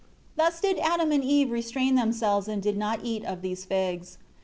3 Thus did Adam and Eve restrain themselves, and did not eat of these figs.